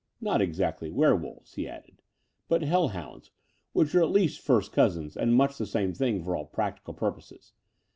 Not exactly werewolves," he added, "but hell hotmds, which are at least first cousins and much the same thing for all practical purposes.